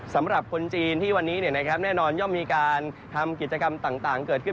สำหรับคนจีนที่วันนี้แน่นอนย่อมมีการทำกิจกรรมต่างเกิดขึ้น